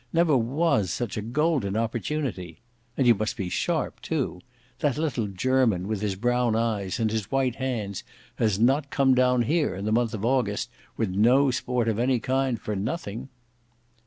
Never was such a golden opportunity. And you must be sharp too. That little Jermyn, with his brown eyes and his white hands, has not come down here, in the month of August, with no sport of any kind, for nothing."